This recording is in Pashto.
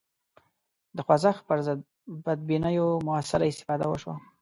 د خوځښت پر ضد بدبینیو موثره استفاده وشوه